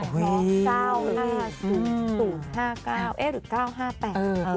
๙๕๐หรือ๙๕๘